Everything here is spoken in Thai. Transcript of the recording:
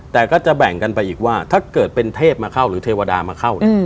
แต่ก็จะแบ่งกันไปอีกว่าถ้าเกิดเป็นเทพมาเข้าหรือเทวดามาเข้าเนี่ย